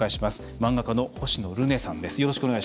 漫画家の星野ルネさんです。